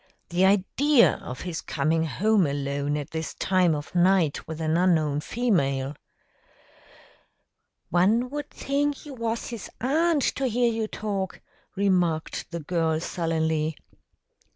The idea of his coming home alone at this time of night with an unknown female!" "One would think you was his aunt, to hear you talk," remarked the girl sullenly.